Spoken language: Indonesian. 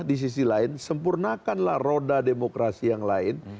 disisi lain sempurnakanlah roda demokrasi yang lain